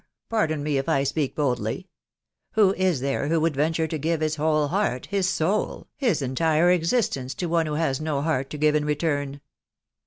pardon me if I speak boldly .... who U there who would venture to give his whole heart, his soul, hie entire existence to one who has no heart to give; in return